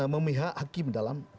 memihak hakim dalam